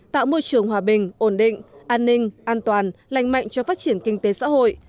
tạo môi trường hòa bình ổn định an ninh an toàn lành mạnh cho phát triển kinh tế xã hội